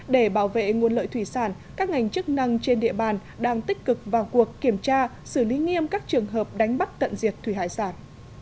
để bảo vệ nguồn lợi thủy sản các ngành chức năng trên địa bàn đang tích cực vào cuộc kiểm tra xử lý nghiêm các trường hợp đánh bắt tận diệt thủy hải sản